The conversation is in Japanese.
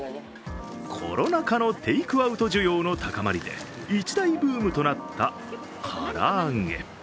コロナ禍のテイクアウト需要の高まりで一大ブームとなったから揚げ。